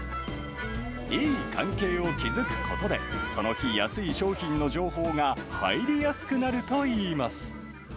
いい関係を築くことで、その日安い商品の情報が入りやすくなるといいます。